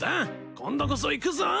今度こそいくぞ。